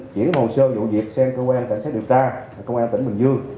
chuyển hồ sơ vụ việc xem công an cảnh sát điều tra công an tỉnh bình dương